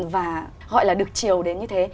và gọi là được chiều đến như thế